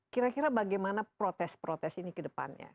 kira kira bagaimana protes protes ini kedepannya